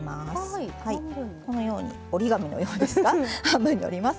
このように折り紙のようですが半分に折ります。